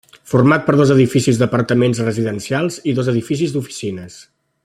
Format per dos edificis d'apartaments residencials i dos edificis d'oficines.